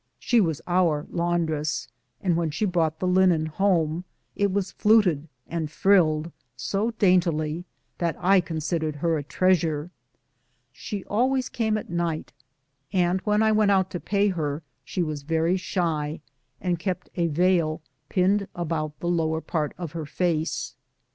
She was our laundress, and when she brought the linen home, it was fluted and frilled so daintily that I considered her a treasure. She always came at night, and when I went out to pay her she was very shy, and kept a veil pinned about the lower part of her face.